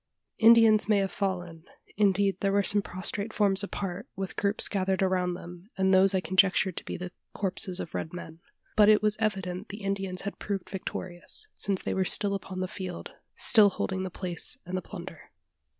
Indians may have fallen: indeed there were some prostrate forms apart, with groups gathered around them, and those I conjectured to be the corpses of red men. But it was evident the Indians had proved victorious: since they were still upon the field still holding the place and the plunder.